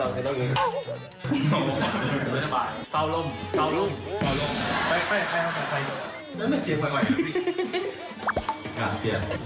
ข้างล้าง